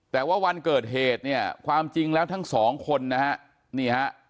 แต่ว่าวันเกิดเหตุเนี่ยความจริงแล้วทั้งสองคนนะฮะนี่ฮะ